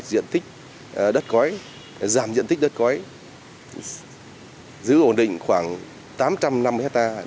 giảm diện tích đất cõi giữ ổn định khoảng tám trăm linh năm hectare